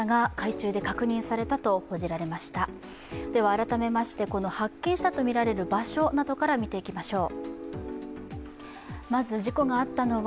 改めまして発見したとみられる場所などから見ていきましょう。